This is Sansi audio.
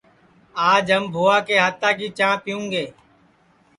آج ہم بھوا کے ہاتا کی چاں پیوں گے